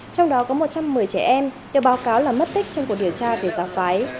trong đó có một trăm một mươi trẻ em được báo cáo là mất tích trong cuộc điều tra về giáo phái